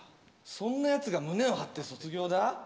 そんな奴が胸を張って卒業だ？